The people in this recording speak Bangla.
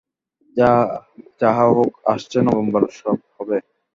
যাহা হউক, আসছে নভেম্বরে সব হবে।